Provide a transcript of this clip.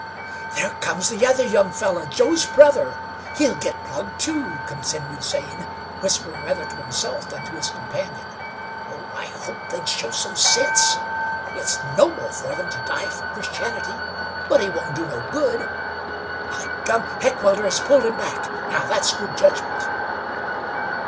"There comes the other young fellar Joe's brother. He'll get plugged, too," continued Zane, whispering rather to himself than to his companion. "Oh, I hoped they'd show some sense! It's noble for them to die for Christianity, but it won't do no good. By gum! Heckewelder has pulled him back. Now, that's good judgment!"